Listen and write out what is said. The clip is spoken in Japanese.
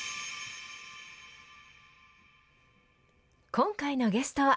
今回のゲストは。